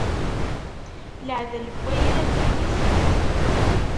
Iaɛdel n wayrad d inisi.